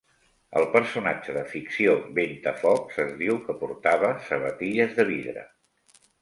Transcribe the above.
El personatge de ficció Ventafocs es diu que portava sabatilles de vidre.